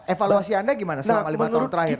evaluasi anda gimana selama lima tahun terakhir